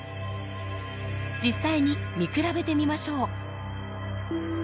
実際に見比べてみましょう。